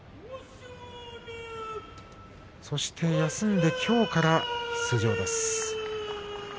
そして休んできょうから出場です。